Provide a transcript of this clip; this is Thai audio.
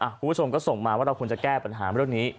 คุณผู้ชมก็ส่งมาว่าเราควรจะแก้ปัญหาเรื่องนี้